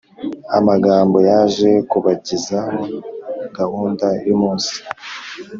amagambo yaje kubagezaho gahunda yumunsi